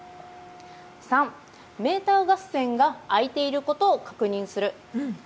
３、メーターガス栓が開いていることを確認する。